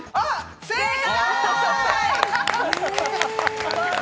正解！